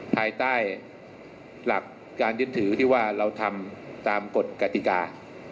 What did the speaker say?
ภายใต้หลักการยึดถือที่ว่าเราทำตามกฎกติกา